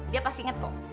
dia pasti inget kok